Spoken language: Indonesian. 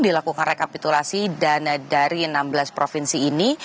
dilakukan rekapitulasi dan dari enam belas provinsi ini